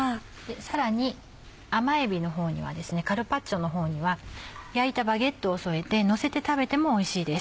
さらに甘えびのカルパッチョのほうには焼いたバゲットを添えてのせて食べてもおいしいです。